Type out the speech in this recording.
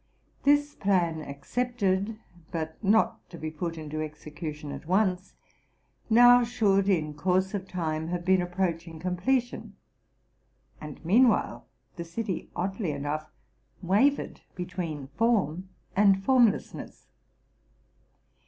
This plan accepted, but not to be put into execution at once, now, should in course of time have been approaching com pletion ; and, meanwhile, the city oddly enough wavered be tween form and formlessness.